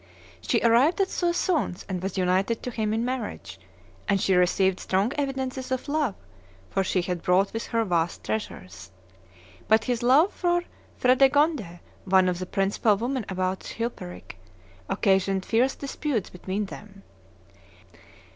She arrived at Soissons and was united to him in marriage; and she received strong evidences of love, for she had brought with her vast treasures. But his love for Fredegonde, one of the principal women about Chilperic, occasioned fierce disputes between them.